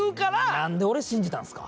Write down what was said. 何で俺、信じたんすか！